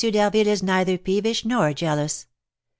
d'Harville is neither peevish nor jealous."